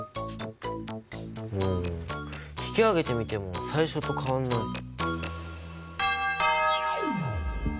うん引き上げてみても最初と変わんない。